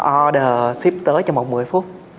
order ship tới trong một mười phút